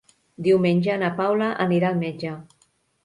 Diumenge na Paula anirà al metge.